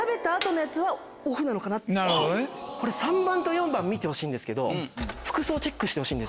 これ３番と４番見てほしいんですけど。